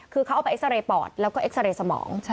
คือเขาเอาไปเอ็กซาเรย์ปอดแล้วก็เอ็กซาเรย์สมอง